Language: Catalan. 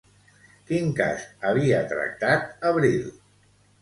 Quin cas havia tractat Abril?